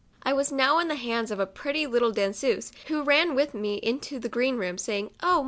I was now in the hands of a pretty little " dans ease, " w T ho ran with me into the " green room," saying, " Oh